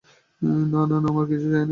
না না, আমার কিছুই চাই নে।